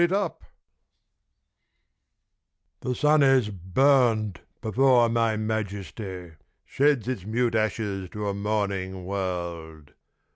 ' The Sun is burnt before my majesty — Sheds its mute ashes to a mourning world.